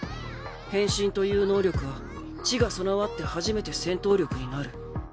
変身という能力は知が備わって初めて戦闘力になる。